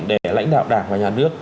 để lãnh đạo đảng và nhà nước